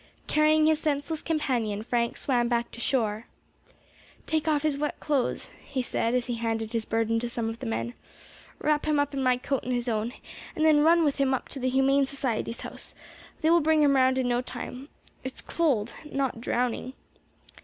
Carrying his senseless companion, Frank swam back to shore. "Take off his wet clothes," he said, as he handed his burden to some of the men. "Wrap him up in my coat and his own, and then run with him up to the Humane Society's House, they will bring him round in no time; it is cold, not drowning."